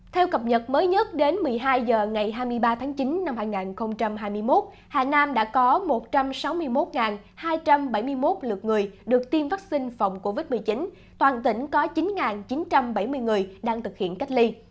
theo cập nhật mới nhất đến một mươi hai h ngày hai mươi ba tháng chín năm hai nghìn hai mươi một hà nam đã có một trăm sáu mươi một hai trăm bảy mươi một lượt người được tiêm vaccine phòng covid một mươi chín toàn tỉnh có chín chín trăm bảy mươi người đang thực hiện cách ly